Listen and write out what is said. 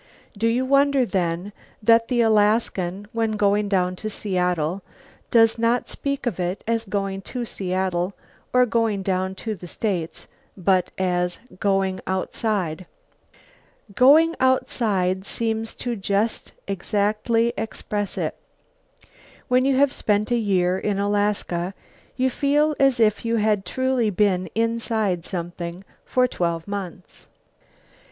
Do you wonder, then, that the Alaskan, when going down to Seattle, does not speak of it as going to Seattle or going down to the States but as "going outside"? Going outside seems to just exactly express it. When you have spent a year in Alaska you feel as if you had truly been inside something for twelve months.